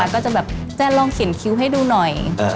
ก็จะแบบแนนลองเขียนคิ้วให้ดูหน่อย